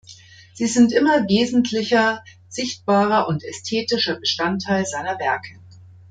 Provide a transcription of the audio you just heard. Sie sind immer wesentlicher, sichtbarer und ästhetischer Bestandteil seiner Werke.